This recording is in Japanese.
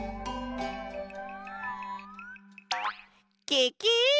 ケケ！